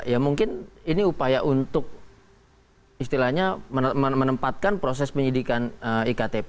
ya mungkin ini upaya untuk istilahnya menempatkan proses penyidikan iktp